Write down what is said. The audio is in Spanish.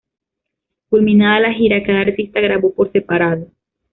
Culminada la gira cada artista grabó por separado.